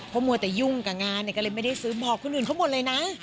เพราะมัวแต่ยุ่งกับงานก็เลยไม่ได้ซื้อบอกคนอื่นเขาหมดเลยนะ